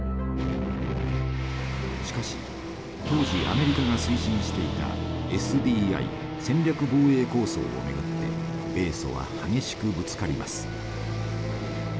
しかし当時アメリカが推進していたＳＤＩ戦略防衛構想をめぐって米ソは激しくぶつかります。